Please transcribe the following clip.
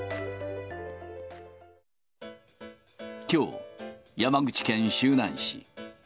きょう、山口県周南市。